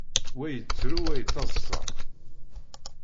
Wa yettru, wa yettaḍṣa.